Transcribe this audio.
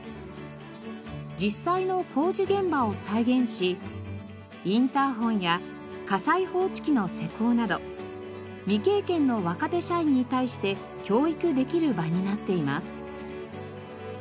実際の工事現場を再現しインターホンや火災報知器の施工など未経験の若手社員に対して教育できる場になっています。